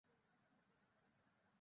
না এ দিক না ও দিক কি ভালো?